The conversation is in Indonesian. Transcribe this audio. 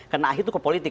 karena ahi itu ke politik